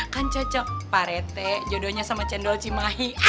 kan cocok pak r t jodohnya sama cendol cimahi